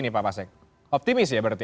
nih pak pasek optimis ya berarti